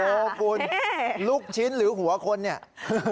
โอ้โหคุณลูกชิ้นหรือหัวคนเนี่ย